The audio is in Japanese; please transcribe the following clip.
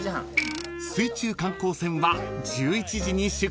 ［水中観光船は１１時に出港です］